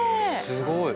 すごい！